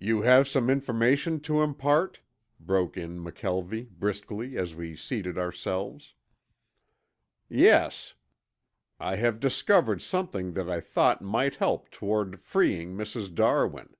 "You have some information to impart?" broke in McKelvie briskly as we seated ourselves. "Yes. I have discovered something that I thought might help toward freeing Mrs. Darwin.